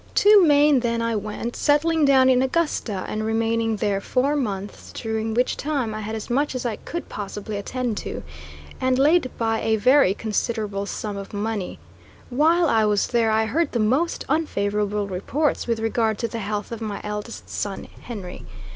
To Maine, then, I went, settling down in Augusta, and remaining there four months, during which time I had as much as I could possibly attend to, and laid by a very considerable sum of money. While I was there I heard the most unfavorable reports with regard to the health of my eldest son Henry.